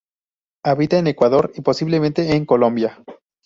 Habita en Ecuador y posiblemente en Colombia.